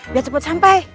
biar cepat sampai